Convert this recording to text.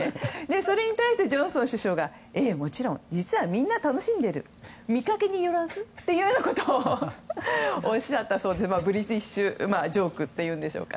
それに対してジョンソン首相がええ、もちろん実はみんな楽しんでいる見かけによらずとおっしゃったそうでブリティッシュジョークというんでしょうか。